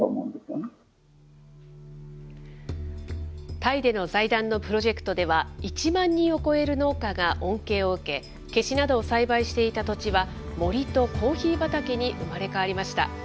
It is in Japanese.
タイでの財団のプロジェクトでは、１万人を超える農家が恩恵を受け、ケシなどを栽培していた土地は、森とコーヒー畑に生まれ変わりました。